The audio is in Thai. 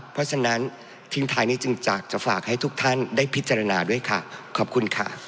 เพราะฉะนั้นทิ้งท้ายนี้จึงจากจะฝากให้ทุกท่านได้พิจารณาด้วยค่ะขอบคุณค่ะ